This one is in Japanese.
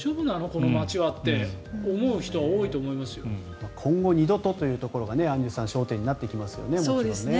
この町はって思う人は今後二度とというところがアンジュさん焦点になってきますよね。